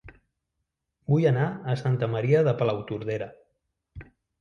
Vull anar a Santa Maria de Palautordera